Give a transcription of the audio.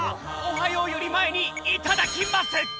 「おはよう」よりまえに「いただきます」